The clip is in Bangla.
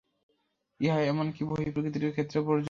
ইহা এমন কি বহিঃপ্রকৃতির ক্ষেত্রেও প্রযোজ্য।